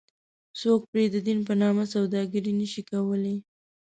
څوک پرې ددین په نامه سوداګري نه شي کولی.